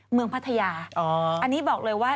เมืองพัทยาอ๋ออันนี้บอกเลยว่า